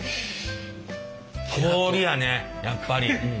氷やねやっぱり。